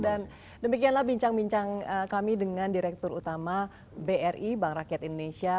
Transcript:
dan demikianlah bincang bincang kami dengan direktur utama bri bank rakyat indonesia